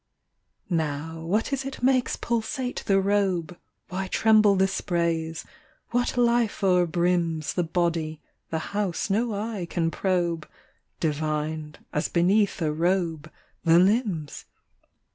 Now, what is it makes pulsate the robe? Why tremble the sprays? What life o'erbrims 10 The body, the house no eye can probe, Divined, as beneath a robe, the limbs?